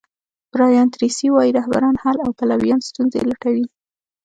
برایان تریسي وایي رهبران حل او پلویان ستونزې لټوي.